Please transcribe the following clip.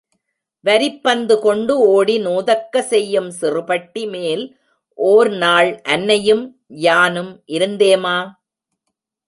வரிப்பந்து கொண்டு ஓடி நோதக்கசெய்யும் சிறுபட்டி, மேல் ஓர் நாள் அன்னையும் யானும் இருந்தேமா.